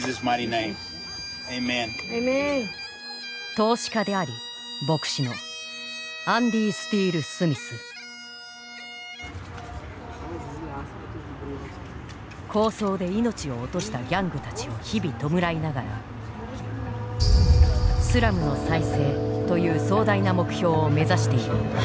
投資家であり牧師の抗争で命を落としたギャングたちを日々弔いながらスラムの再生という壮大な目標を目指している。